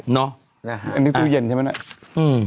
อันนี้ตู้เย็นใช่ไหมน่ะอืม